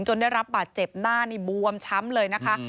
ได้รับบาดเจ็บหน้านี่บวมช้ำเลยนะคะ